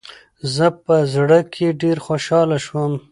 زه په زړه کې ډېره خوشحاله شوم .